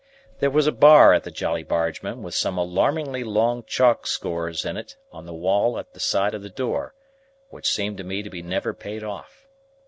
There was a bar at the Jolly Bargemen, with some alarmingly long chalk scores in it on the wall at the side of the door, which seemed to me to be never paid off.